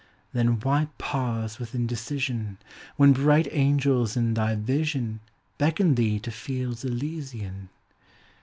Then why pause with indecision, When bright angels in thy vision Beckon thee to tields Elysiau?